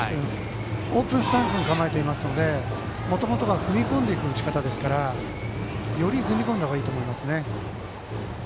オープンスタンスに構えていますのでもともと踏み込んでいく打ち方ですからより踏み込んだ方がいいと。